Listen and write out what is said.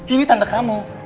ini tante kamu